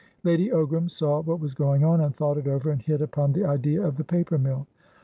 Lady Ogram saw what was going on, and thought it over, and hit upon the idea of the paper mill.